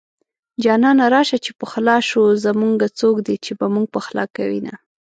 جانانه راشه چې پخلا شو زمونږه څوک دي چې به مونږ پخلا کوينه